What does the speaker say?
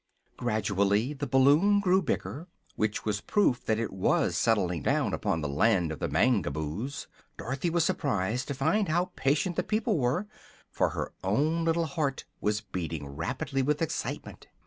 Gradually the balloon grew bigger, which was proof that it was settling down upon the Land of the Mangaboos. Dorothy was surprised to find how patient the people were, for her own little heart was beating rapidly with excitement.